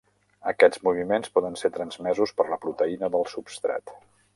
Aquests moviments poden ser transmesos per la proteïna del substrat.